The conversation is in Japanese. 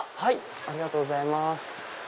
ありがとうございます。